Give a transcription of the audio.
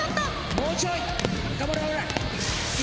もうちょい！